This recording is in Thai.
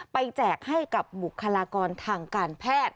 แจกให้กับบุคลากรทางการแพทย์